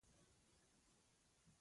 ناول لغوي معنا یې نوی او عجیبه څیز دی.